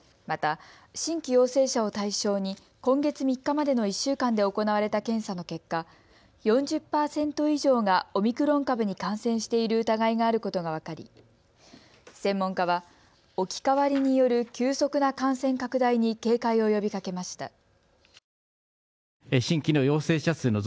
また新規陽性者を対象に今月３日までの１週間で行われた検査の結果、４０％以上がオミクロン株に感染している疑いがあることが分かり、専門家は置き換わりによる急速な感染拡大に警戒を呼びかけました。